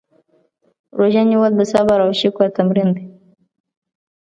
روژه نیول د صبر او شکر تمرین دی.